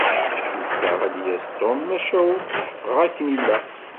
Cukkeɣ ad d-yas Tom, maca ur tḥeqqeɣ akken ilaq.